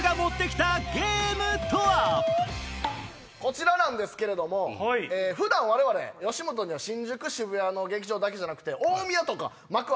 こちらなんですけれども普段吉本には新宿渋谷の劇場だけじゃなくて。